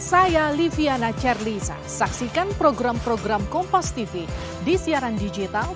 saya liviana charlisa saksikan program program kompas tv di siaran digital